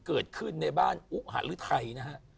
เกิดขึ้นในบ้านหรือไทย